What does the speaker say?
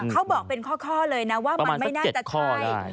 เขาบอกเป็นข้อเลยนะว่ามันไม่น่าจะใช่